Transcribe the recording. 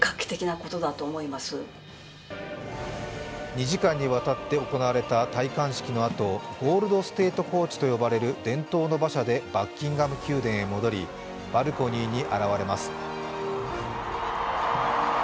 ２時間にわたって行われた戴冠式のあとゴールド・ステート・コーチと呼ばれる伝統の馬車でバッキンガム宮殿へ戻りバルコニーに現れます。